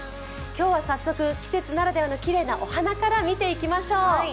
今日は早速、季節ならではのきれいなお花から見ていきましょう。